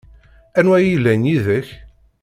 Anwa ay yellan yid-k?